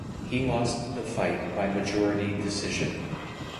He lost the fight by majority decision.